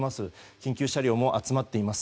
緊急車両も集まっています。